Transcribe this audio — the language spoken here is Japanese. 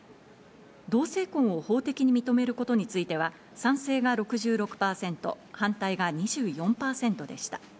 同性婚を法的に認めることについては、賛成が６６％、反対が２４％でした。